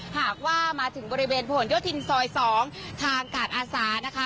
หากว่ามาถึงบริเวณผนโยธินซอย๒ทางการอาสานะคะ